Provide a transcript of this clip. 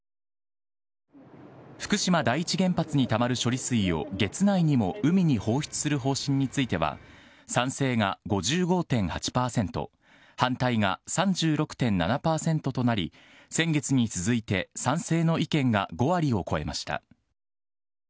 福島第一原発にたまる処理水を月内にも海に放出する方針については、賛成が５５．８％、反対が３６．７％となり、先月に続いて、賛成の意見が５割を超えました。